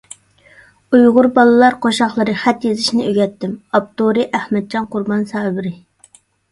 ئۇيغۇر بالىلار قوشاقلىرى: «خەت يېزىشنى ئۆگەتتىم»، ئاپتورى: ئەخمەتجان قۇربان سابىرى